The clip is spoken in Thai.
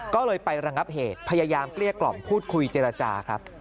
ก็เลยไประงับเหตุพยายามเกลี้ยกล่อมพูดคุยเจรจาครับ